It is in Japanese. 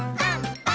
パン！